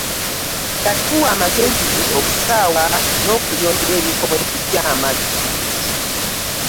Yatuwa amagezi okusaawa n'okuyonja ebifo mwe tujja amazzi.